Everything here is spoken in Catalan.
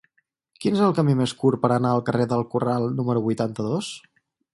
Quin és el camí més curt per anar al carrer del Corral número vuitanta-dos?